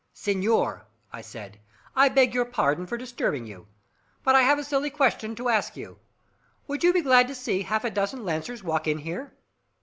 "Senor," I said, "I beg your pardon for disturbing you. But I have a silly question to ask you. Would you be glad to see half a dozen lancers walk in here?"